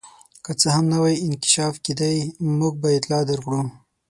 که څه نوی انکشاف کېدی موږ به اطلاع درکړو.